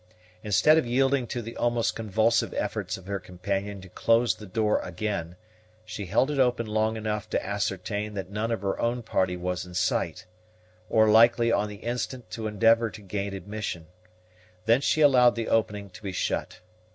Instead of yielding to the almost convulsive efforts of her companion to close the door again, she held it open long enough to ascertain that none of her own party was in sight, or likely on the instant to endeavor to gain admission: then she allowed the opening to be shut.